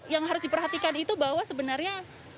yang harus diperhatikan itu bahwa sebenarnya